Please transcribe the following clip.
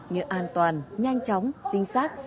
như an toàn nhanh chóng chính xác